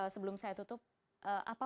sebelum saya tutup apa